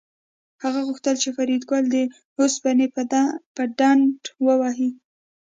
هغه غوښتل چې فریدګل د اوسپنې په ډنډه ووهي